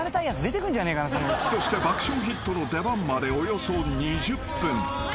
［そして『爆笑ヒット』の出番までおよそ２０分］